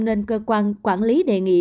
nên cơ quan quản lý đề nghị